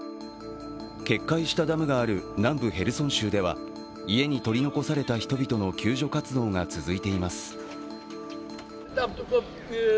決壊したダムがある南部ヘルソン州では家に取り残された人の救助活動が続いています。